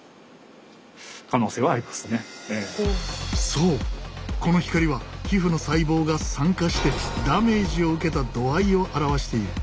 そうこの光は皮膚の細胞が酸化してダメージを受けた度合いを表している。